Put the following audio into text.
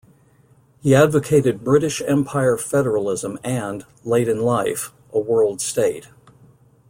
He advocated British Empire Federalism and, late in life, a world state.